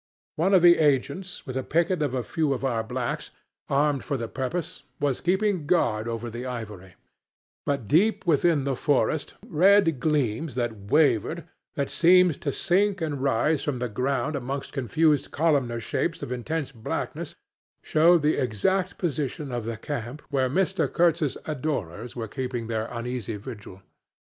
One of the agents with a picket of a few of our blacks, armed for the purpose, was keeping guard over the ivory; but deep within the forest, red gleams that wavered, that seemed to sink and rise from the ground amongst confused columnar shapes of intense blackness, showed the exact position of the camp where Mr. Kurtz's adorers were keeping their uneasy vigil.